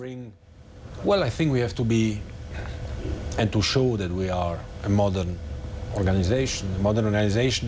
ประธานฟีฟาบอกว่าฟีฟาไม่ได้เป็นเจ้าของฟุตบอล